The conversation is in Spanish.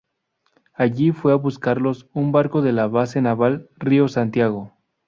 Allí fue a buscarlos un barco de la Base Naval Río Santiago.